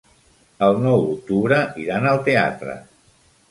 El nou d'octubre iran al teatre.